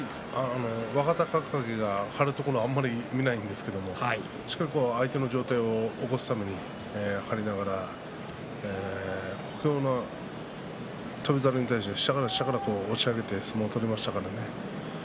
若隆景が張るところはあまり見ないんですが相手の上体を起こすために張りながら小兵の翔猿に対して下から下から押し上げて相撲を取りましたからね。